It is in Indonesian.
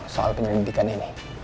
soal penyelidikan ini